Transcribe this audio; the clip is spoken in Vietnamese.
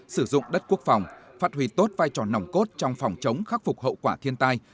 sử dụng đất quốc phòng phát huy tốt vai trò nòng cốt trong phòng chống khắc phục hậu quả thiên tai